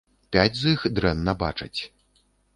Пяць з іх дрэнна бачаць.